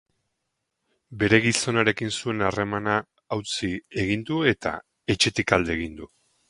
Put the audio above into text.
Bere gizonarekin zuen harremana hautsi egin du eta etxetik alde egin du.